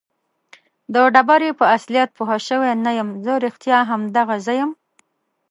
د ډبرې په اصلیت پوه شوی نه یم. زه رښتیا هم دغه زه یم؟